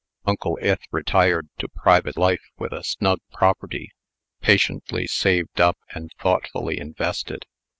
Uncle Ith retired to private life with a snug property, patiently saved up and thoughtfully invested.